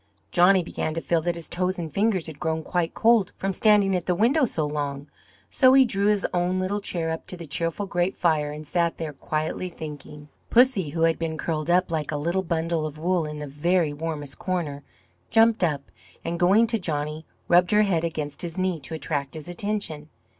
Johnny began to feel that his toes and fingers had grown quite cold from standing at the window so long; so he drew his own little chair up to the cheerful grate fire and sat there quietly thinking. Pussy, who had been curled up like a little bundle of wool, in the very warmest corner, jumped up, and, going to Johnny, rubbed her head against his knee to attract his attention.